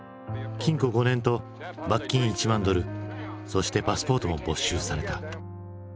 禁錮５年と罰金１万ドルそしてパスポートも没収された。